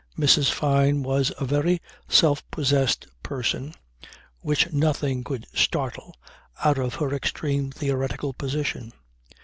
Mrs. Fyne was a very self possessed person which nothing could startle out of her extreme theoretical position.